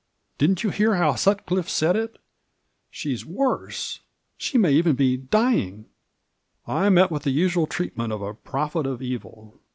Didn't you hear how SutcUffe said it? She's wor^e — she may even be dying!" I met with the usual treatment of a prophet of evil.